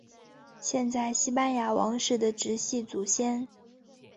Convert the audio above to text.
现在西班牙王室的直系祖先。